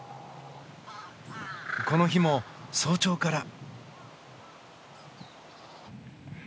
この日も早朝から。